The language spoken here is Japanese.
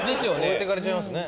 置いていかれちゃいますね。